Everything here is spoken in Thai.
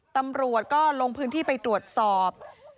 ตำรวจก็ลงพื้นที่ไปตรวจสอบ